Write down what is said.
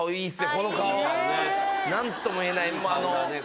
この顔何とも言えないあのいい顔だね